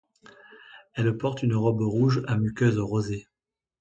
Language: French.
Elle porte une robe rouge à muqueuses rosées.